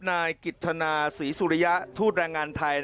นายกิจธนาศรีสุริยะทูตแรงงานไทย